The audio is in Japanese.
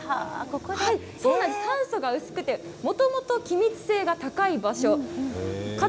酸素が薄くてもともと気密性が高い場所か